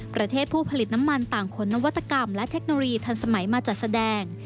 ประเทศผู้ผลิตน้ำมันต่างขนนวัตกรรมและเทคโนโลยีทันสมัยมาจัดแสดง